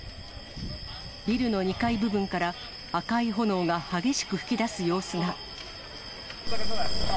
ビルの２階部分から赤い炎が激しく噴き出す様子が。